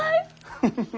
フフフ。